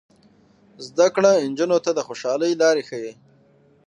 زده کړه نجونو ته د خوشحالۍ لارې ښيي.